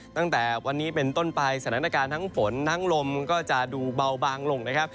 ตั้งแต่วันนี้เป็นต้นไปสถานการณ์ทั้งฝนทั้งลมก็จะดูเบาบางลงนะครับ